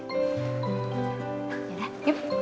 ya udah yuk